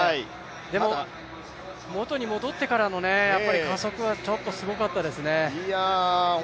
でも、もとに戻ってからの加速はちょっとすごかったですね。